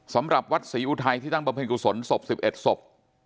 สำหรับวัดศรีอุทัยที่ตั้งบำเพ็ญกุศลศพ๑๑ศพ